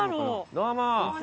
どうも。